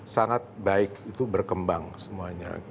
sangat baik itu berkembang semuanya